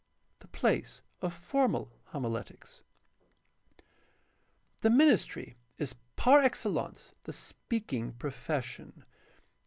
The place of formal homiletics. — The ministry is par excellence the speaking profession.